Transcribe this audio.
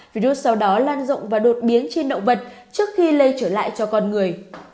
virus sau đó lan rộng và đột biến trên động vật trước khi lây trở lại cho con người